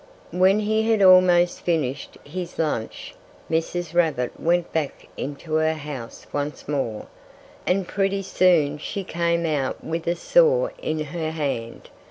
When he had almost finished his lunch, Mrs. Rabbit went back into her house once more. And pretty soon she came out with a saw in her hand.